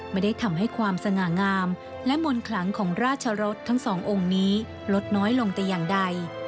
ไม่ได้ทำให้ความสง่างามและมนต์คลังของราชรสทั้งสององค์นี้ลดน้อยลงแต่อย่างใด